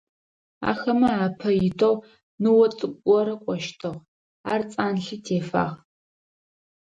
Ахэмэ апэ итэу ныо цӀыкӀу горэ кӀощтыгъ, ар цӀанлъи тефагъ.